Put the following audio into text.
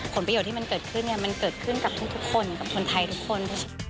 ผลประโยชน์ที่มันเกิดขึ้นเนี่ยมันเกิดขึ้นกับทุกคนกับคนไทยทุกคน